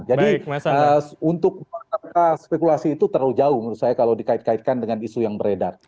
jadi untuk spekulasi itu terlalu jauh menurut saya kalau dikait kaitkan dengan isu yang beredar